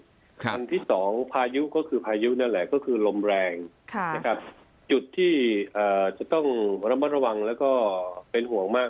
อย่างที่สองพายุนั่นแหละที่คือลมแรงครับจุดที่จะต้องระมัดระวังเป็นห่วงมาก